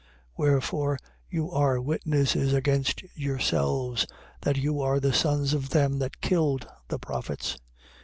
23:31. Wherefore you are witnesses against yourselves, that you are the sons of them that killed the prophets.